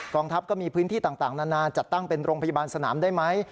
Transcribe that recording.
องทัพก็มีพื้นที่ต่างนานจัดตั้งเป็นโรงพยาบาลสนามได้ไหม